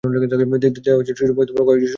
দেহ ছিল সুষম ও কয়েকটি সুস্পষ্ট অংশ নিয়ে গঠিত।